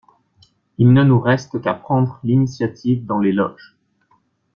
Il ne nous reste qu'à prendre l'initiative dans les Loges.